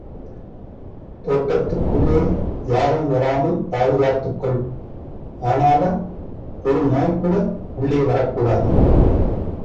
தோட்டத்துக்குள்ளே யாரும் வராமல் பாதுகாத்துக்கொள்! ஆனால... ஒரு நாய் கூட உள்ளே வரக்கூடாது.